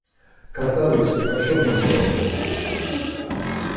Kart̆alis haşo nonç̌aru dort̆un.